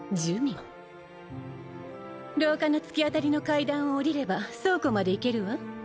廊下の突き当たりの階段を下りれば倉庫まで行けるわ。